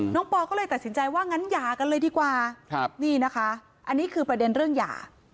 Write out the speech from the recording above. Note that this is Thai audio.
ปอก็เลยตัดสินใจว่างั้นหย่ากันเลยดีกว่านี่นะคะอันนี้คือประเด็นเรื่องหย่า